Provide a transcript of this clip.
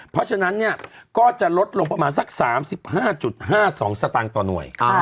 เพราะฉะนั้นเนี่ยก็จะลดลงประมาณสัก๓๕๕๒สตางค์ต่อหน่วย